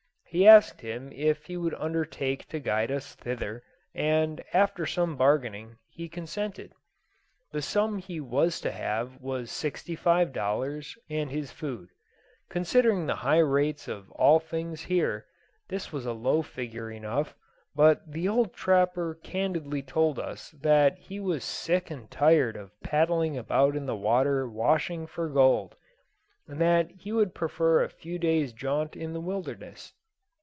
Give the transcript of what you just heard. He asked him if he would undertake to guide us thither, and, after some bargaining, he consented. The sum he was to have was sixty five dollars and his food. Considering the high rates of all things here, this was a low figure enough, but the old trapper candidly told us that he was sick and tired of paddling about in the water washing for gold, and that he would prefer a few days' jaunt in the wilderness.